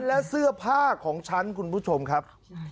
ไปเอาแอลกอฮอล์มา